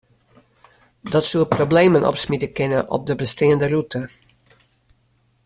Dat soe problemen opsmite kinne op de besteande rûte.